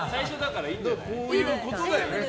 こういうことだよね。